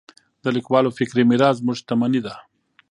د لیکوالو فکري میراث زموږ شتمني ده.